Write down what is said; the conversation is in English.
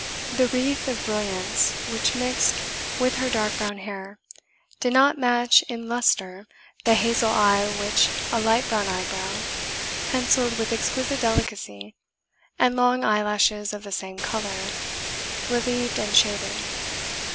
The wreath of brilliants which mixed with her dark brown hair did not match in lustre the hazel eye which a light brown eyebrow, pencilled with exquisite delicacy, and long eyelashes of the same colour, relieved and shaded.